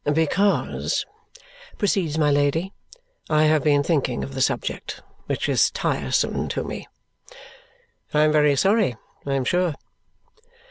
"Because," proceeds my Lady, "I have been thinking of the subject, which is tiresome to me." "I am very sorry, I am sure."